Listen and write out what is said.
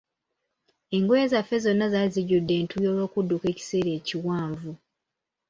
Engoye zaffe zonna zaali zijjudde entuuyo olw'okudduka ekiseera ekiwanvu.